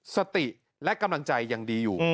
สติและกำลังใจยังดีอยู่